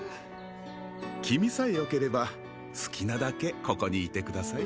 君さえよければ好きなだけここにいてください